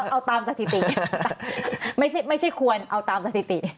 เอาตามสถิติไม่ใช่ควรเอาตามสถิติ